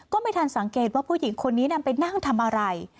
ก็ไม่ทันสังเกตว่าผู้หญิงคนนี้นำไปนั่งทำอะไร